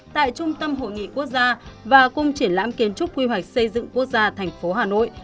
tại trung tâm hội nghị quốc gia và cung triển lãm kiến trúc quy hoạch xây dựng quốc gia thành phố hà nội